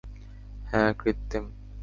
হ্যাঁ, কৃত্রিম।